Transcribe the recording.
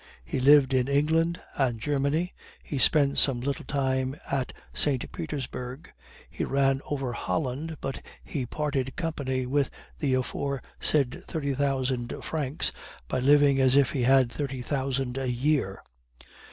"He lived in England and Germany, he spent some little time at St. Petersburg, he ran over Holland but he parted company with the aforesaid thirty thousand francs by living as if he had thirty thousand a year.